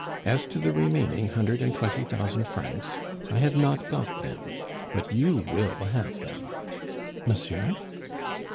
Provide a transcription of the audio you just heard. As to the remaining hundred and twenty thousand francs, I have not got them; but you will have them " "Monsieur?"